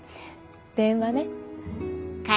電話ね。